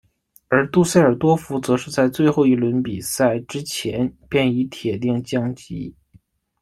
而杜塞尔多夫则是在最后一轮比赛之前便已铁定降级。